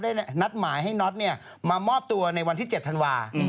ได้นัดหมายให้นธมามอบตัวในวันที่๗ธนวาส